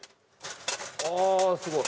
あすごい。